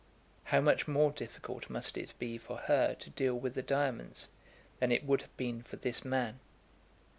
How much more difficult must it be for her to deal with the diamonds than it would have been for this man.